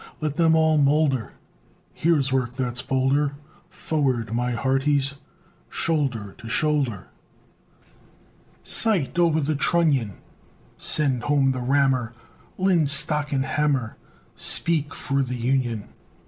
Let them all moulder Here's work that's bolder! Forward, my hearties! Shoulder to shoulder. Sight o'er the trunnion Send home the rammer Linstock and hammer! Speak for the Union!